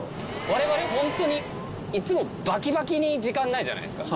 我々ホントにいつもバキバキに時間ないじゃないっすか。